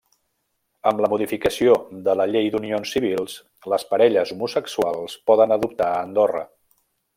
Amb la modificació de la llei d'Unions Civils, les parelles homosexuals poden adoptar a Andorra.